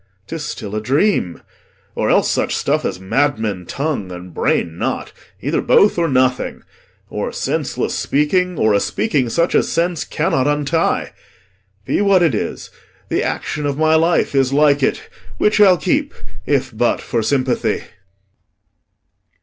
'Tis still a dream, or else such stuff as madmen Tongue, and brain not; either both or nothing, Or senseless speaking, or a speaking such As sense cannot untie. Be what it is, The action of my life is like it, which I'll keep, if but for sympathy.